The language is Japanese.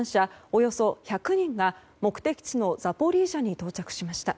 およそ１００人が目的地のザポリージャに到着しました。